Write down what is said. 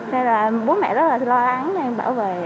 nên là bố mẹ rất là lo lắng nên em bảo vệ